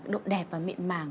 động đẹp và miệng màng